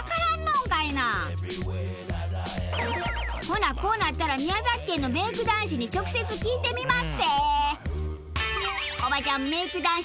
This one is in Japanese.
ほなこうなったら宮崎県のメイク男子に直接聞いてみまっせ！